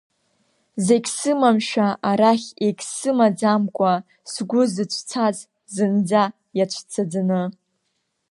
Зегь сымашәа, арахь егьсымаӡамкәа, сгәы зыцәцаз зынӡа иацәцаӡаны.